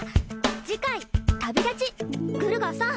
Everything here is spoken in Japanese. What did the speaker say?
次回旅立ちグルガーさん